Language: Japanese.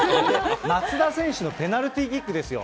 松田選手のペナルティキックですよ。